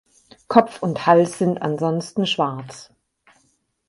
Kopf und Hals sind ansonsten schwarz.